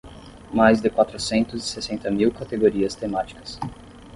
Mais de quatrocentos e sessenta mil categorias temáticas.